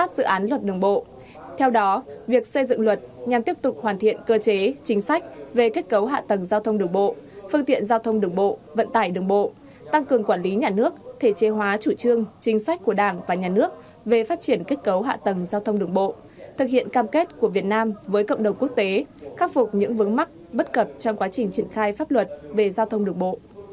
sau đó việc xây dựng luật nhằm tiếp tục hoàn thiện cơ chế chính sách về kết cấu hạ tầng giao thông đường bộ phương tiện giao thông đường bộ vận tải đường bộ tăng cường quản lý nhà nước thể chế hóa chủ trương chính sách của đảng và nhà nước về phát triển kết cấu hạ tầng giao thông đường bộ thực hiện cam kết của việt nam với cộng đồng quốc tế khắc phục những vấn mắc bất cập trong quá trình triển khai pháp luật về giao thông đường bộ